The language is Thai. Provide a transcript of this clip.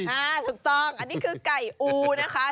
อ่าถูกต้องอันนี้คือไก่อูนะคะ